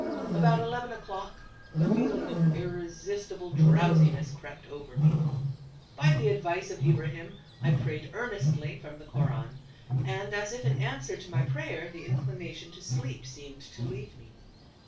About eleven o'clock a feeling of irresistible drowsiness crept over me. By the advice of Ibrahim I prayed earnestly from the Koran. And as if in answer to my prayer the inclination to sleep seemed to leave me.